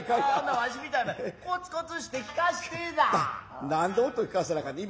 わしみたいにコツコツして聞かせてえな。